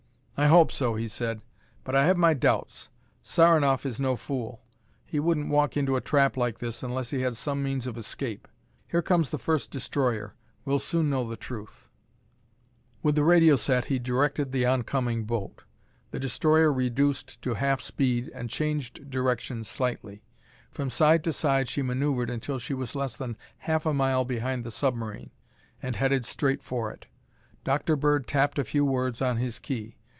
"I hope so," he said, "but I have my doubts. Saranoff is no fool. He wouldn't walk into a trap like this unless he had some means of escape. Here comes the first destroyer. We'll soon know the truth." With the radio set he directed the oncoming boat. The destroyer reduced to half speed and changed direction slightly. From side to side she maneuvered until she was less than half a mile behind the submarine and headed straight for it. Dr. Bird tapped a few words on his key.